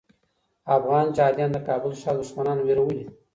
افغان جهاديان د کابل ښار دښمنان ویرولي.